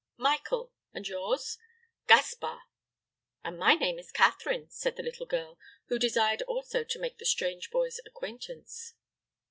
"Michael; and yours?" "Gaspar." "And my name is Catherine," said the little girl, who desired also to make the strange boy's acquaintance.